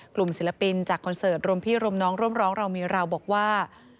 กลุ่มศิลปินจากคอนเสร็จรมพี่รมน้องร่วมร้องราวมีราวบอกว่า